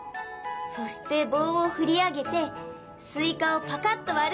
そして棒を振り上げてスイカをパカッと割る。